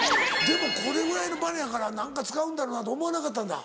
でもこれぐらいのバネやから何か使うんだろうなと思わなかったんだ。